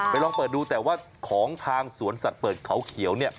ลองเปิดดูแต่ว่าของทางสวนสัตว์เปิดเขาเขียวเนี่ย